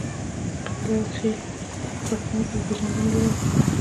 قبیله او خیل د پښتنو د پیژندنې لار ده.